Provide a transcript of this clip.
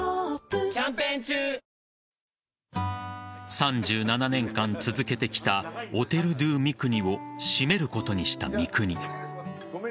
３７年間続けてきたオテル・ドゥ・ミクニを閉めることにした三國。